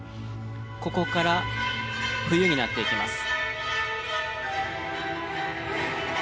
ここから『冬』になっていきます。